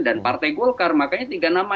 dan partai golkar makanya tiga nama